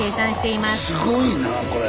すごいなこれ。